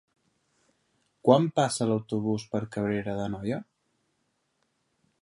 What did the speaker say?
Quan passa l'autobús per Cabrera d'Anoia?